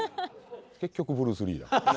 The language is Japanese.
結局ブルース・リーや。